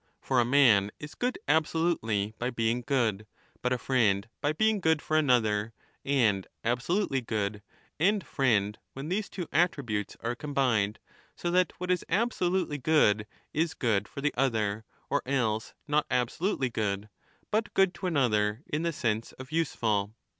For a man is good absolutely by being good, but a friend by being good for another, and absolutely good and friend when these two attributes are combined f so that what is absolutely good is good for the other, or else not absolutely good,^ but good to another in the sense of useful.